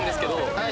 はい！